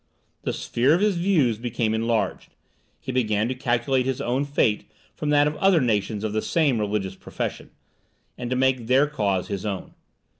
The sphere of his views became enlarged. He began to calculate his own fate from that of other nations of the same religious profession, and to make their cause his own.